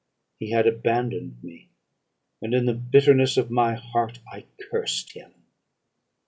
He had abandoned me and, in the bitterness of my heart, I cursed him.